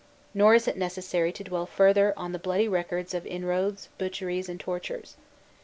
Nor is it necessary to dwell further on the bloody record of inroads, butcheries, and tortures.